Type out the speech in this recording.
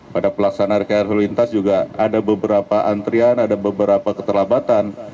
pada pelaksanaan krlinitas juga ada beberapa antrian ada beberapa keterlambatan